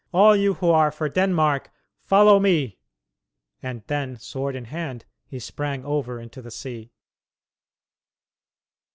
All you who are for Denmark follow me!" And then, sword in hand, he sprang over into the sea.